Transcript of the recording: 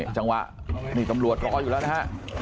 จังหวะนี่ตำรวจรออยู่แล้วนะฮะ